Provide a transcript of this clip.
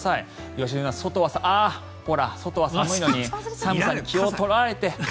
良純さん、外は寒いのに気を取られて。